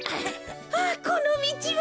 あっこのみちは！